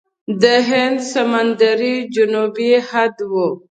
د هند سمندر یې جنوبي حد و.